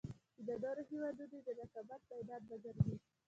چـې د نـورو هېـوادونـو د رقـابـت مـيدان وګـرځـي.